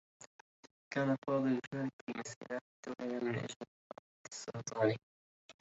كان فاضل يشارك في المسيرات التّوّعية من أجل محاربة السّرطان.